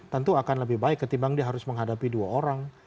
tentu akan lebih baik ketimbang dia harus menghadapi dua orang